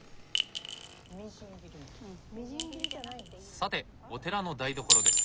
さてお寺の台所です。